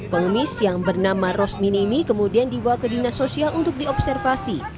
pengemis yang bernama rosmini ini kemudian dibawa ke dinas sosial untuk diobservasi